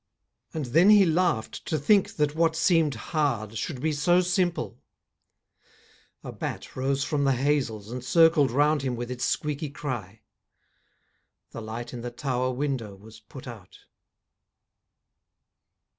_And then he laughed to think that what seemed hard Should be so simple a bat rose from the hazels And circled round him with its squeaky cry, The light in the tower window was put out.